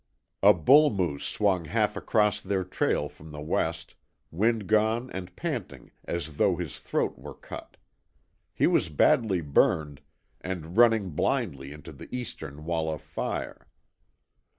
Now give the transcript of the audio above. A bull moose swung half across their trail from the west, wind gone and panting as though his throat were cut. He was badly burned, and running blindly into the eastern wall of fire.